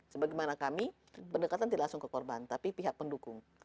sebagaimana kami pendekatan tidak langsung ke korban tapi pihak pendukung